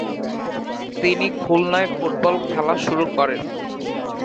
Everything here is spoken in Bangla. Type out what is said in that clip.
তিনি খুলনায় ফুটবল খেলা শুরু করেন।